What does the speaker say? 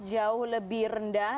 jauh lebih rendah